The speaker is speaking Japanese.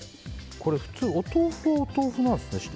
これ普通のお豆腐はお豆腐なんですね。